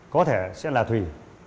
có thể sẽ là thùy